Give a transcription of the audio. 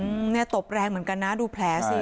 อืมเนี่ยตบแรงเหมือนกันนะดูแผลสิ